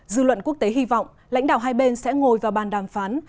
dư luận quốc tế hy vọng lãnh đạo hai bên sẽ ngồi vào bàn đàm phán